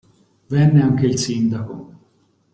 Venne anche il sindaco.